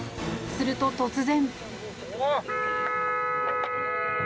すると、突然。